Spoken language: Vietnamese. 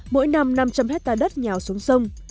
mỗi năm năm trăm linh hectare đất nghèo xuống sông